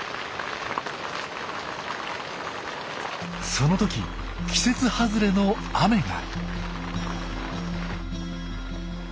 その時季節外れの雨が。